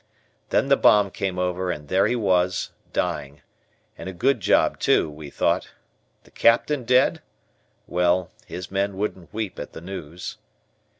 Then the bomb came over and there he was, dying, and a good job too, we thought. The Captain dead? Well, his men wouldn't weep at the news.